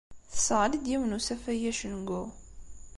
Tesseɣli-d yiwen n usafag acengu.